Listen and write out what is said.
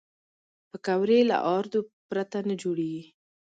پکورې له آردو پرته نه جوړېږي